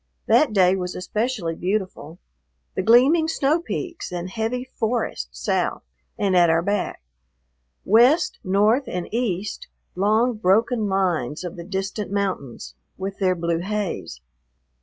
That day was especially beautiful. The gleaming snow peaks and heavy forest south and at our back; west, north, and east, long, broken lines of the distant mountains with their blue haze.